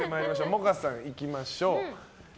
萌歌さん行きましょう。